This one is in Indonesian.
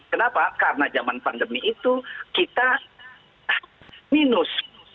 kenapa karena zaman pandemi itu kita minus